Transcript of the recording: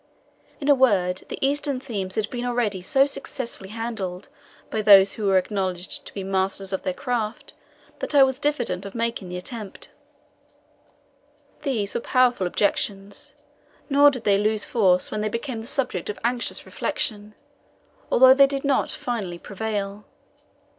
In a word, the Eastern themes had been already so successfully handled by those who were acknowledged to be masters of their craft, that I was diffident of making the attempt. These were powerful objections; nor did they lose force when they became the subject of anxious reflection, although they did not finally prevail.